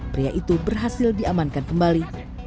pria itu berhasil diamankan kembali